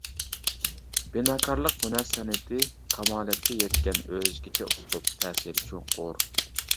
بىناكارلىق ھۈنەر-سەنئىتى كامالەتكە يەتكەن ئۆزگىچە ئۇسلۇب، تەسىرى چوڭقۇر.